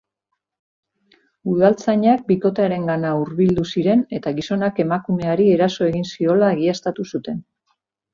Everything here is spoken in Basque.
Udaltzainak bikotearengana hurbildu ziren, eta gizonak emakumeari eraso egin ziola egiaztatu zuten.